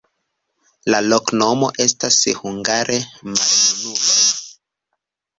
La loknomo estas hungare: maljunuloj.